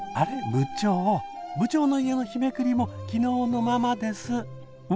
部長部長の家の日めくりも昨日のままです。